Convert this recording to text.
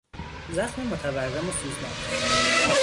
زخم متورم و سوزناک